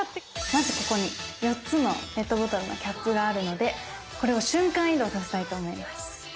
まずここに４つのペットボトルのキャップがあるのでこれを瞬間移動させたいと思います。